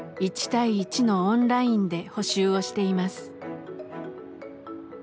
１対１のオンラインで補習をしています。